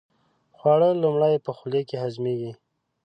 خواړه لومړی په خولې کې هضمېږي.